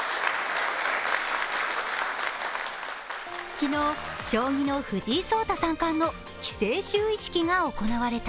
昨日、将棋の藤井聡太三冠の棋聖就位式が行われた。